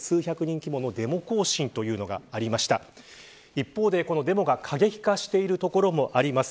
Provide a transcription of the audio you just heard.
一方で、このデモが過激化している所もあります。